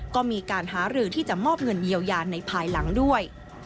ก็มีการหารือที่จะมอบเงินเยียวยาในภายหลังด้วย